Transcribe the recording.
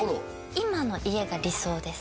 今の家が理想です